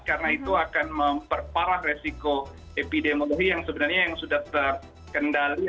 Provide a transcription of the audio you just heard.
karena itu akan memperparah resiko epidemiologi yang sebenarnya sudah terkendali